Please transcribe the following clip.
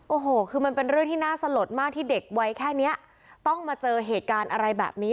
โอ้โหคือมันเป็นเรื่องที่น่าสลดมากที่เด็กวัยแค่เนี้ยต้องมาเจอเหตุการณ์อะไรแบบนี้